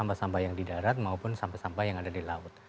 sampah sampah yang di darat maupun sampah sampah yang ada di laut